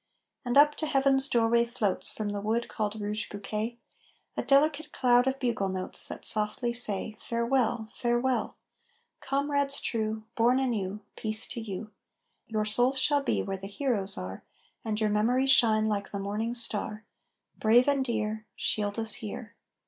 And up to Heaven's doorway floats, From the wood called Rouge Bouquet, A delicate cloud of bugle notes That softly say: "Farewell! Farewell! Comrades true, born anew, peace to you! Your souls shall be where the heroes are And your memory shine like the morning star. Brave and dear, Shield us here.